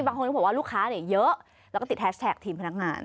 บางคนก็บอกว่าลูกค้าเยอะแล้วก็ติดแฮชแท็กทีมพนักงาน